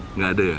enggak ada ya